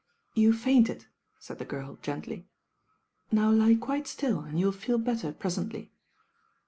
"You fainted/* taid the girl gently. "Now Ue quite ttill and you'll feel better pretently."